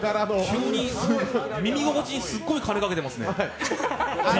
急に、「耳心地」にすごい金かけてますね。